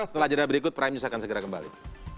setelah jeda berikut prime news akan segera kembali